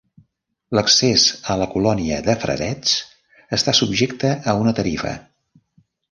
L'accés a la colònia de frarets està subjecte a una tarifa.